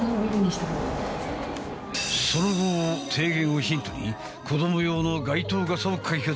その後提言をヒントに子供用の街灯傘を開発中。